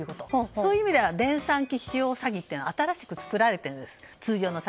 そういう意味では電算機使用詐欺というのは新しく作られているんです。